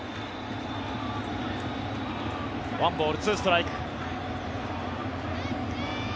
１ボール２ストライク。